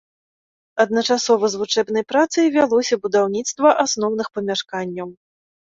Адначасова з вучэбнай працай вялося будаўніцтва асноўных памяшканняў.